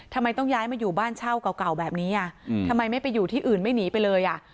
ทำไมต้องย้ายมาอยู่บ้านเช่าเก่าแบบนี้อ่ะทำไมไม่ไปอยู่ที่อื่นไม่หนีไปเลยอ่ะ